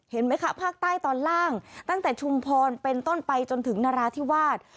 เห็นไหมคะภาคใต้ตอนล่างตั้งแต่ชุมพรเป็นต้นไปจนถึงนราธิวาส